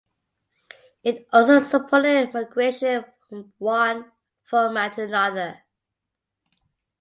It also supported migration from one format to another.